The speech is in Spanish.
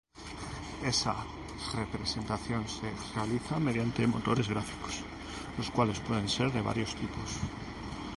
Esa representación se realiza mediante motores gráficos, los cuales pueden ser de varios tipos.